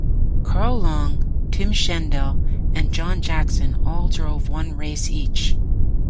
Carl Long, Tim Schendel and John Jackson all drove one race each.